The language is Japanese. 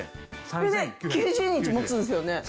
それで９０日持つんですよね？